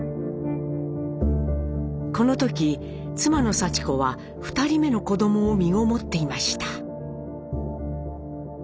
この時妻のさち子は２人目の子どもをみごもっていました。